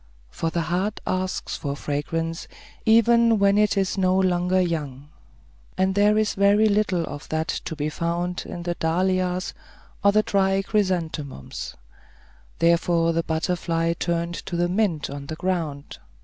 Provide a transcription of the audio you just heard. For the heart asks for fragrance, even when it is no longer young; and there is very little of that to be found in the dahlias or the dry chrysanthemums; therefore the butterfly turned to the mint on the ground.